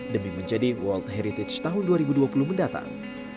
demi menjadi world heritage tahun dua ribu dua puluh mendatang